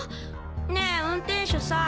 ねぇ運転手さん。